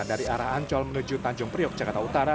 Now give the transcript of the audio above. dari arah ancol menuju tanjung priok jakarta utara